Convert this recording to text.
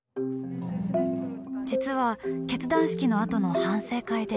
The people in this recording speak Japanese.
実は結団式のあとの反省会で。